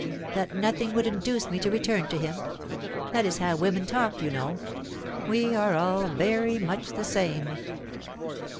"That nothing would induce me to return to him. That is how women talk, you know. We are all very much the same."